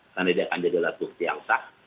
karena dia akan jadi latuh siang sah